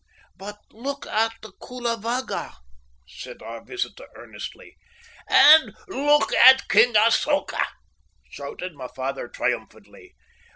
"But look at the Kullavagga," said our visitor earnestly. "And look at King Asoka," shouted my father triumphantly.